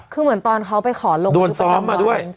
คือเหมือนตอนเขาไปขอลงโดนซ้อมมาด้วย